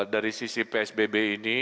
dari sisi psbb